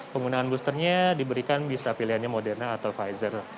penggunaan boosternya diberikan bisa pilihannya moderna atau pfizer